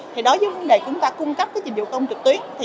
thì đối với vấn đề chúng ta cung cấp dịch vụ công trực tuyến